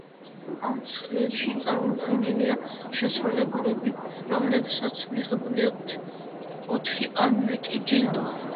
ამ ცხრილში წარმოდგენილია შემსრულებლები, რომლებსაც მიღებული აქვთ ოთხი ან მეტი ჯილდო.